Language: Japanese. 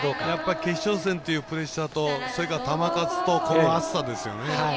決勝戦っていうプレッシャーと球数と、それからこの暑さですよね。